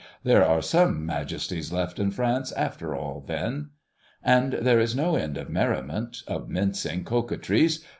There are some majesties left in France after all, then!" And there is no end of merriment, of mincing coquetries.